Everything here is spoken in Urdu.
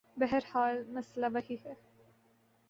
بہرحال مسئلہ وہی ہے۔